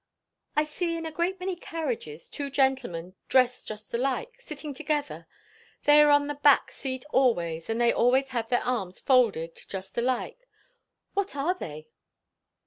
"I see in a great many carriages two gentlemen dressed just alike, sitting together; they are on the back seat always, and they always have their arms folded, just alike; what are they?"